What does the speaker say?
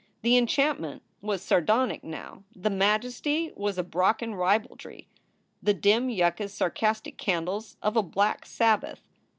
The enchantment was sardonic now; the majesty was a Brocken ribaldry; the dim yuccas sarcastic candles of a black Sabbath.